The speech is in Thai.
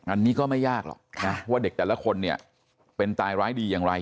อันนี้ก็ไม่ยากหรอกนะว่าเด็กแต่ละคนเนี่ยเป็นตายร้ายดีอย่างไร